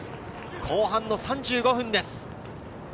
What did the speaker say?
後半３５分です。